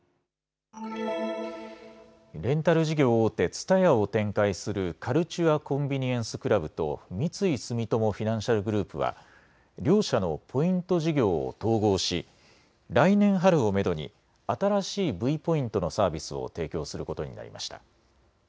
レンタル事業大手、ＴＳＵＴＡＹＡを展開するカルチュア・コンビニエンス・クラブと三井住友フィナンシャルグループは両社のポイント事業を統合し来年春をめどに新しいＶポイントのサービスを提供することになりました。